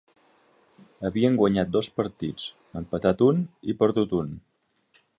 Havien guanyat dos partits, empatat un i perdut un.